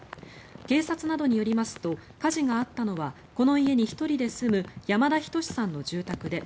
警察などによりますと火事があったのはこの家に１人で住む山田仁さんの住宅です。